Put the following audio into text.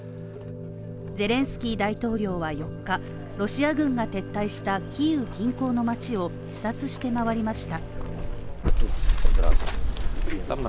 ゼレンスキー大統領は４日、ロシア軍が撤退したキーウ近郊の街を視察して回りました。